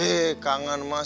eh kangen mas